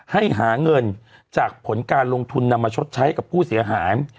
ให้หาเงินจากผลการลงทุนนำมาชดใช้กับผู้เสียหาย